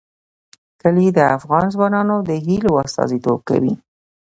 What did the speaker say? کلي د افغان ځوانانو د هیلو استازیتوب کوي.